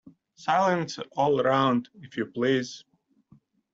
Silence all round, if you please!